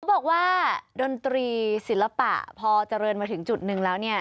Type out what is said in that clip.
บอกว่าดนตรีศิลปะพอเจริญมาถึงจุดหนึ่งแล้วเนี่ย